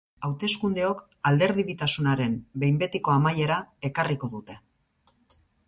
Hauteskundeok alderdibitasunaren behin betiko amaiera ekarriko dute.